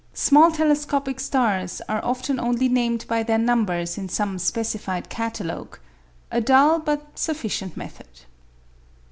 Small telescopic stars are often only named by their numbers in some specified catalogue a dull but sufficient method.